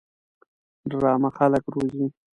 ډرامه خلک روزي